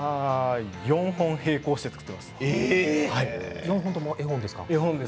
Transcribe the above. ４本並行して作っています。